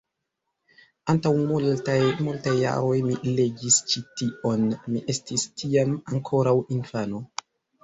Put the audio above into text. Antaŭ multaj, multaj jaroj mi legis ĉi tion, mi estis tiam ankoraŭ infano.